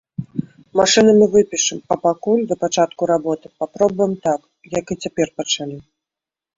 Машыны мы выпішам, а пакуль, да пачатку работы, папробуем так, як і цяпер пачалі.